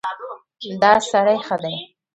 دا سړی ښه دی.